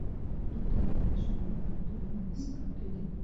مطالعه د ژوند د مهارتونو ودې سبب کېږي.